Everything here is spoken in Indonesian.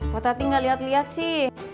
pok tadi gak liat liat sih